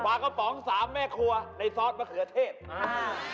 กระป๋องสามแม่ครัวในซอสมะเขือเทศอ่า